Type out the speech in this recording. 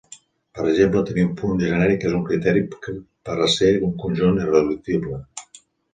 Per exemple, tenir un punt genèric és un criteri per a ser un conjunt irreductible.